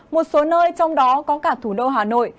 một số nơi trong đó có cả thủ đô hà nội